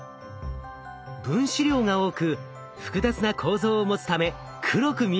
分子量が多く複雑な構造を持つため黒く見えるんです。